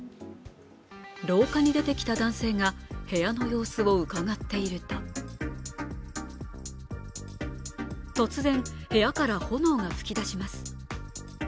廊下に出てきた男性が部屋の様子をうかがっていると、突然、部屋から炎がふき出します。